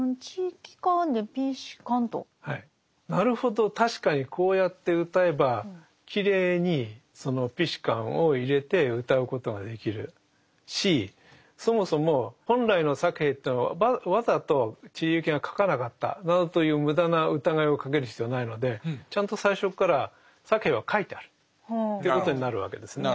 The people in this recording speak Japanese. なるほど確かにこうやってうたえばきれいにその「ピシカン」を入れてうたうことができるしそもそも本来のサケヘというのをわざと知里幸恵が書かなかったなどという無駄な疑いをかける必要はないのでちゃんと最初からサケヘは書いてあるということになるわけですね。